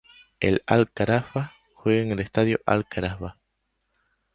El Al-Kahraba juega en el Estadio Al-Kahraba.